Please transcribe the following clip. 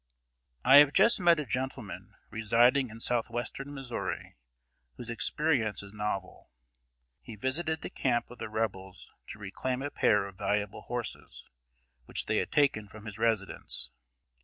] I have just met a gentleman, residing in southwestern Missouri, whose experience is novel. He visited the camp of the Rebels to reclaim a pair of valuable horses, which they had taken from his residence.